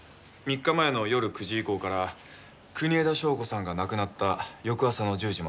３日前の夜９時以降から国枝祥子さんが亡くなった翌朝の１０時までどこで何を？